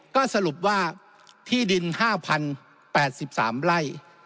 ก็สรุปว่าที่ดิน๕๐๘๓ไร่